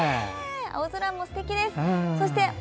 青空もすてきです。